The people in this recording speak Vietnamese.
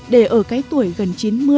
để ở cái tuổi gần chín mươi